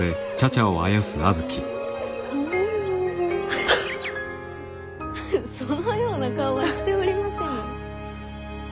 フフッそのような顔はしておりませぬ。